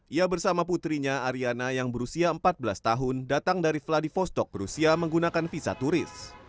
ia bersama putrinya ariana yang berusia empat belas tahun datang dari vladivostock berusia menggunakan visa turis